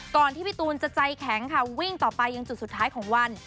ที่พี่ตูนจะใจแข็งค่ะวิ่งต่อไปยังจุดสุดท้ายของวัน